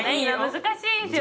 難しいですよね。